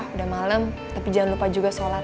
udah malam tapi jangan lupa juga sholat